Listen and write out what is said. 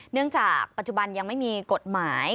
เนื่องจากปัจจุบันยังไม่มีกฎหมาย